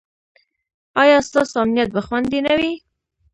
ایا ستاسو امنیت به خوندي نه وي؟